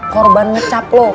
korban ngecap lo